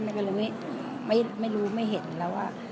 ก็เลยไม่รู้ไม่เห็นแล้วว่า